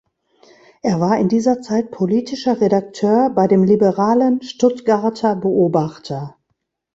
Er war in dieser Zeit politischer Redakteur bei dem liberalen "Stuttgarter Beobachter.